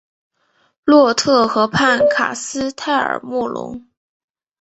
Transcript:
洛特河畔卡斯泰尔莫龙。